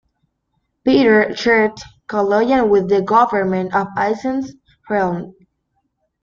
Peter charged Kaloyan with the government of Asen's realm.